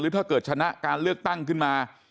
ถ้าเกิดชนะการเลือกตั้งขึ้นมา